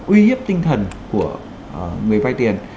uy hiếp tinh thần của người vai tiền